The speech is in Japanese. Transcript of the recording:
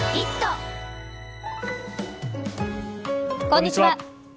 こんにちは。